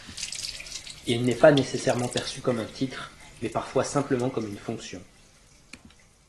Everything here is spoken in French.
Il n'est pas nécessairement perçu comme un titre, mais parfois simplement comme une fonction.